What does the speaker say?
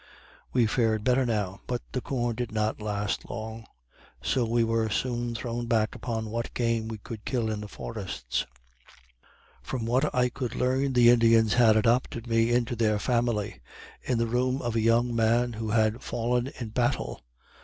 We fared better now, but the corn did not last long; so we were soon thrown back upon what game we could kill in the forests. From what I could learn, the Indians had adopted me into their family, in the room of a young man who had fallen in battle.